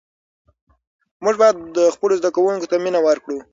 موږ باید خپلو زده کوونکو ته مینه ورکړو.